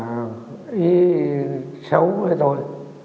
đi tìm kiếm cái gì xấu với tôi